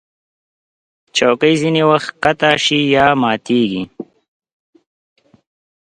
چوکۍ ځینې وخت ښکته شي یا ماتېږي.